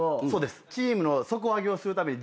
チームの底上げをするために。